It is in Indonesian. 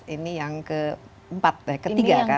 ini yang keempat ya ketiga kan